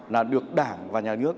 là được đảng và nhà nước